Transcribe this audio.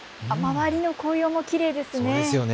周りの紅葉もきれいですね。